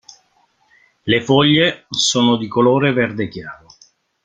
Le foglie sono di colore verde chiaro.